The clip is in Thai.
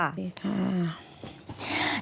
สวัสดีค่ะ